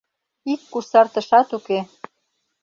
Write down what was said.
Ик кусартышат уке.